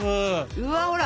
うわほら